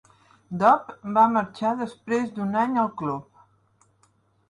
Dodd va marxar després d'un any al club.